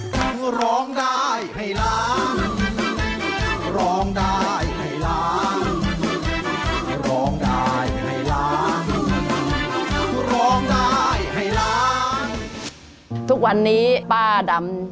สวัสดีครับ